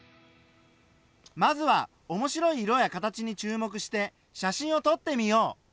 まずは面白い色や形に注目して写真を撮ってみよう。